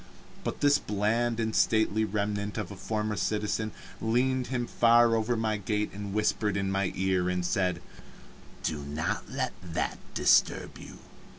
But this bland and stately remnant of a former citizen leaned him far over my gate and whispered in my ear, and said: "Do not let that disturb you.